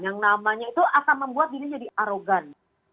yang namanya itu akan membuat diri jadi arogan